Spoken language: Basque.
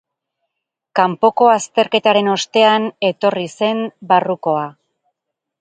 Kanpoko azterketaren ostean etorri zen barrukoa.